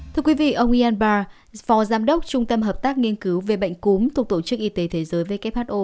thưa quý vị ông el bar phó giám đốc trung tâm hợp tác nghiên cứu về bệnh cúm thuộc tổ chức y tế thế giới who